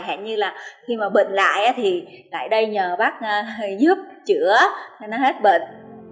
hẹn như là khi mà bệnh lại thì tại đây nhờ bác giúp chữa cho nó hết bệnh